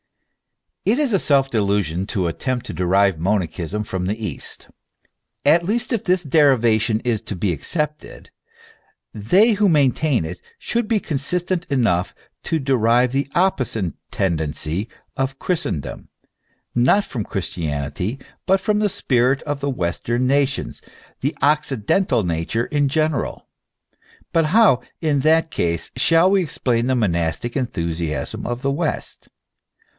It is a self delusion to attempt to derive monachism from the east. At least, if this derivation is to be accepted, they who maintain it should be consistent enough to derive the opposite tendency of Christendom, not from. Christianity, but from the spirit of the western nations, the occidental nature in general. But how, in that case, shall we explain the monastic enthusiasm of the west